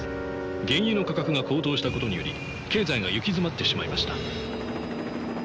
原油の価格が高騰したことにより経済が行き詰まってしまいました」。